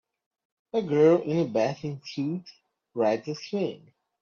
A girl in a bathing suit rides a swing.